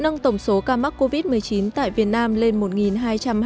nâng tổng số ca mắc covid một mươi chín tại việt nam lên một hai trăm hai mươi ca